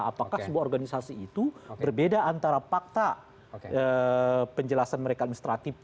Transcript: apakah sebuah organisasi itu berbeda antara fakta penjelasan mereka administratif